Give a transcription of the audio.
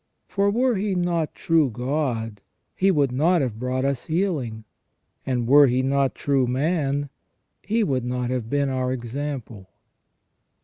For were He not true God, He would not have brought us healing, and were He not true man. He would not have been our example."